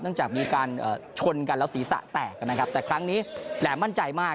จากมีการชนกันแล้วศีรษะแตกนะครับแต่ครั้งนี้แหลมมั่นใจมาก